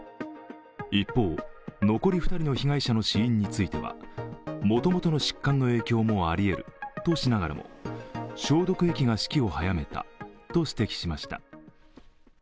一方、残り２人の被害者の死因についてはもともとの疾患の影響もありえるとしながらも消毒液が死期を早めたと指摘しました。